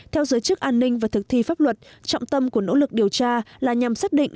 theo giới chức an ninh và thực thi pháp luật trọng tâm của nỗ lực điều tra là nhằm xác định